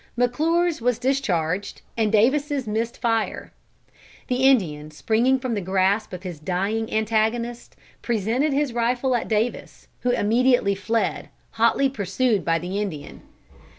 McClure's was discharged and Davis' missed fire. The Indian, springing from the grasp of his dying antagonist, presented his rifle at Davis, who immediately fled, hotly pursued by the Indian.